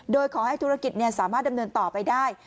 โดยขอให้ธุรกิจสามารถดำเนินต่อไปได้